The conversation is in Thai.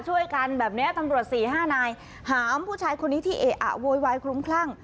ช่วยกันแบบนี้ตำรวจสี่ห้านายหามผู้ชายคนนี้ที่เอะอะโวยวายคลุ้มคลั่ง